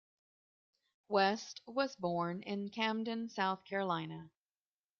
West was born in Camden, South Carolina.